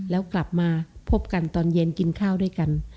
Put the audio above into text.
แล้วกลับมาพบกันตอนเย็นกินข้าวด้วยกัน